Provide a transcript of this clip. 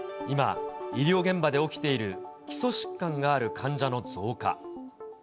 今、医療現場で起きている基礎疾患がある患者の増加。